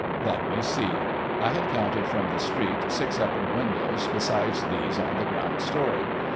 Let me see. I had counted from the street six upper windows besides these on the ground story.